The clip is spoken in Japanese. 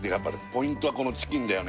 ポイントはこのチキンだよね